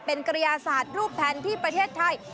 เป็นกระยาศาสตร์รูปแทนที่ประเทศไทย